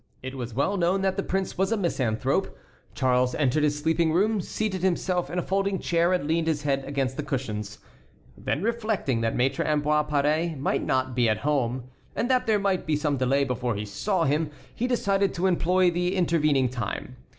It was well known that the prince was a misanthrope. Charles entered his sleeping room, seated himself in a folding chair, and leaned his head against the cushions. Then reflecting that Maître Ambroise Paré might not be at home, and that there might be some delay before he saw him, he decided to employ the intervening time.